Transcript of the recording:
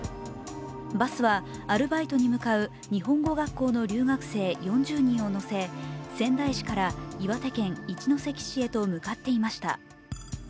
バスはアルバイトに向かう日本語学校の留学生４０人を乗せ、仙台市から岩手県一関市へと向かっていました。